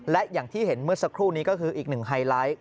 และอย่างที่เห็นเมื่อสักครู่นี้ก็คืออีกหนึ่งไฮไลท์